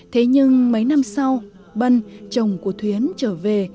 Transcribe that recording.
thế nhưng mấy năm sau bân chồng của thuyến trở về